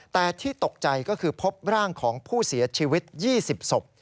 แต่ที่ตกใจก็คือพบร่างของผู้เสียชีวิต๒๐ศพ